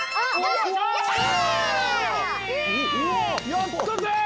やったぜ！